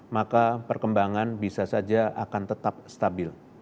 maka perkembangan bisa saja akan tetap stabil